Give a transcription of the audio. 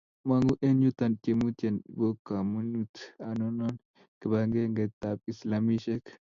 Mong'u eng' yuto tyemutie, bo kamunut anonon kibagengeitab Islamek?